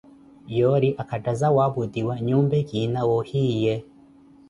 yoori akattaza waaputwiwa yumpe kina wa ohiyi ye.